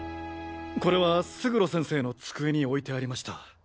これは勝呂先生の机に置いてありました。